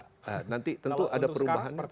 kalau untuk sekarang seperti apa